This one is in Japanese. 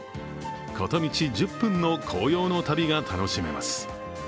片道１０分の紅葉の旅が楽しめます。